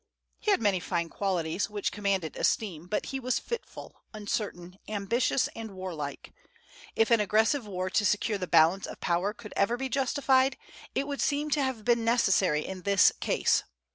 He had many fine qualities, which commanded esteem; but he was fitful, uncertain, ambitious, and warlike. If an aggressive war to secure the "balance of power" could ever be justified, it would seem to have been necessary in this case.